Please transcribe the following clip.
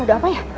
ada apa ya